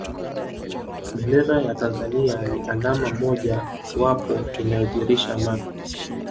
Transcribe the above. bendera ya tanzania ni alama moja wapo inayodhihirisha aman